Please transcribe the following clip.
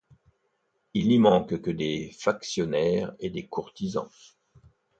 Il n’y manque que des factionnaires et des courtisans.